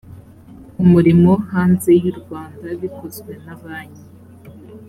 umurimo hanze y u rwanda bikozwe na banki